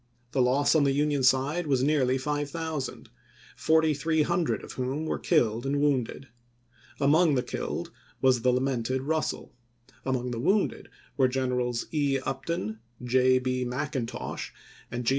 The loss on the Union side was nearly 5000,4300 of whom were killed and wounded. Among the killed was the lamented Russell ; among the wounded were Gen erals E. Upton, J. B. Mcintosh, and G.